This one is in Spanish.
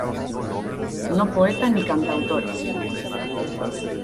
no poeta ni cantautores.